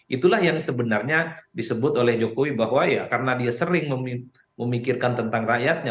itulah yang sebenarnya disebut oleh jokowi bahwa ya karena dia sering memikirkan tentang rakyatnya